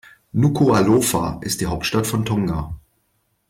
Nukuʻalofa ist die Hauptstadt von Tonga.